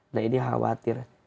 nah ini khawatir